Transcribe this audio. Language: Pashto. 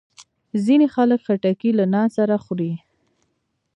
ځینې خلک خټکی له نان سره خوري.